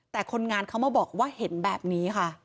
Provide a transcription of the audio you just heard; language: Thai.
แต่คนงานเขามาบอกว่าเห็นแบบนี้ค่ะ